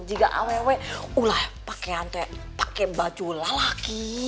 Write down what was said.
jika awal awal pakaian aku pakai baju lelaki